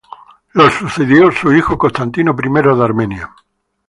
Su hijo, Constantino I de Armenia, lo sucedió.